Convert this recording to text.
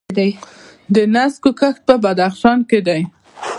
د نسکو کښت په بدخشان کې دی.